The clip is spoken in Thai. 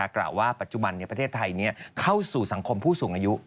กล่าวว่าปัจจุบันประเทศไทยเข้าสู่สังคมผู้สูงอายุ